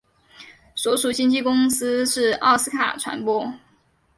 所属经纪公司是奥斯卡传播。